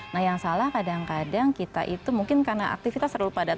nah yang salah kadang kadang kita itu mungkin karena aktivitas terlalu padat